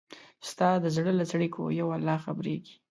ستا د زړه له څړیکو یو الله خبریږي